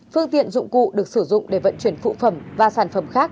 phương tiện dụng cụ được sử dụng để vận chuyển phụ phẩm và sản phẩm khác